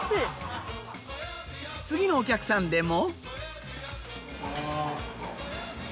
次のお客さんでも。